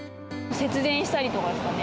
節電したりとかですかね。